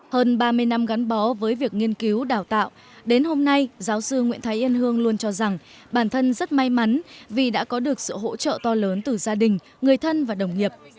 hơn ba mươi năm gắn bó với việc nghiên cứu đào tạo đến hôm nay giáo sư nguyễn thái yên hương luôn cho rằng bản thân rất may mắn vì đã có được sự hỗ trợ to lớn từ gia đình người thân và đồng nghiệp